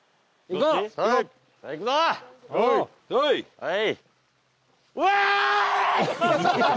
はい。